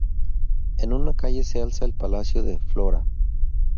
En una calle se alza el palacio de Flora.